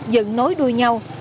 dựng nối đuôi nhau